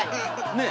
ねえ？